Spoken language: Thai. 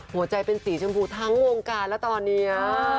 หัวใจเป็นสีชมพูทั้งวงการแล้วตอนนี้